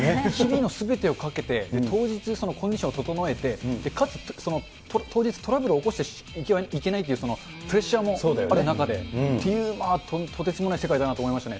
すべてをかけて、当日、コンディションを整えて、かつ当日トラブルを起こしてはいけないというプレッシャーもある中でっていう、とてつもない世界だなと思いましたね。